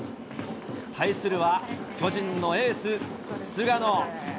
対するは巨人のエース、菅野。